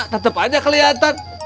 tetep aja keliatan